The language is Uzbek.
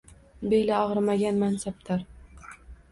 Beli og‘rimagan mansabdor